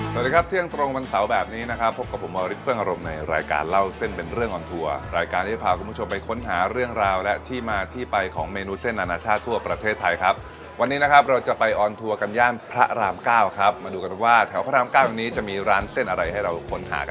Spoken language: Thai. สวัสดีครับเที่ยงตรงวันเสาร์แบบนี้นะครับพบกับผมวาริสเฟื่องอารมณ์ในรายการเล่าเส้นเป็นเรื่องออนทัวร์รายการที่จะพาคุณผู้ชมไปค้นหาเรื่องราวและที่มาที่ไปของเมนูเส้นอนาชาติทั่วประเทศไทยครับวันนี้นะครับเราจะไปออนทัวร์กันย่านพระรามเก้าครับมาดูกันว่าแถวพระรามเก้าวันนี้จะมีร้านเส้นอะไรให้เราค้นหากัน